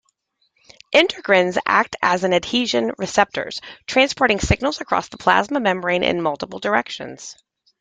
Integrins act as adhesion receptors, transporting signals across the plasma membrane in multiple directions.